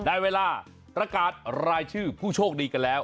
ได้เวลาประกาศรายชื่อผู้โชคดีกันแล้ว